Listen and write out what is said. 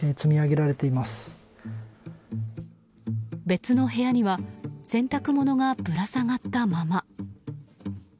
別の部屋には洗濯物がぶら下がったまま。